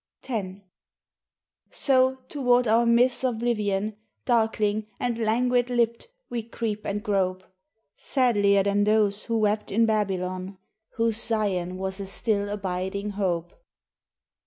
X "So, toward our myth's oblivion, Darkling, and languid lipped, we creep and grope Sadlier than those who wept in Babylon, Whose Zion was a still abiding hope.